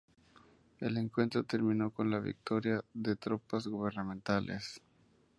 El encuentro terminó con la victoria de las tropas gubernamentales.